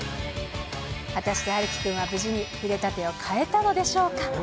果たして陽喜くんは無事に筆立てを買えたのでしょうか。